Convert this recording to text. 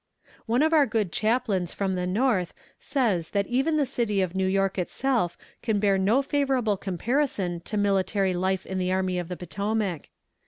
One of our good chaplains from the North says that even the city of New York itself can bear no favorable comparison to military life in the Army of the Potomac.